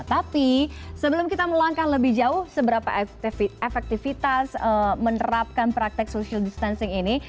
tapi sebelum kita melangkah lebih jauh seberapa efektivitas menerapkan praktek social distancing ini